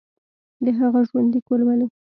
د هغه ژوندلیک ولولو.